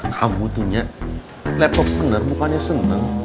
kamu tuh nya laptopnya bener bukannya seneng